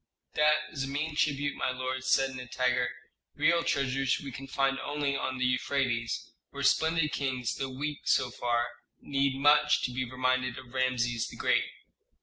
"That is a mean tribute, my lord," said Nitager. "Real treasures we can find only on the Euphrates, where splendid kings, though weak so far, need much to be reminded of Rameses the Great."